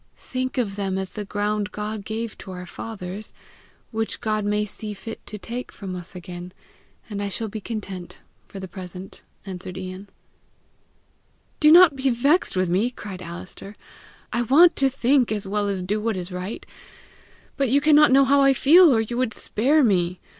"Think of them as the ground God gave to our fathers, which God may see fit to take from us again, and I shall be content for the present," answered Ian. "Do not be vexed with me," cried Alister. "I want to think as well as do what is right; but you cannot know how I feel or you would spare me.